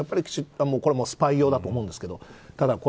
これはスパイ用だと思うんですけどただ、これ